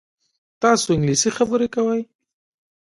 تاسو انګلیسي خبرې کوئ؟